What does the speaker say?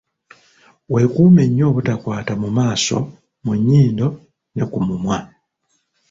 Weekuume nnyo obutakwata mu maaso, mu nnyindo ne ku mumwa.